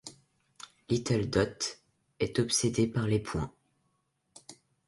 Little Dot est obsédée par les points.